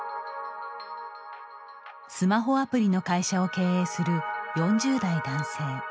スマホアプリの会社を経営する４０代男性。